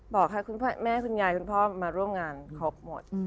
บอกให้คุณแม่คุณยายคุณพ่อมาร่วมงานครบหมด